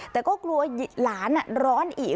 แต่ก็กลัวหลานร้อนอีก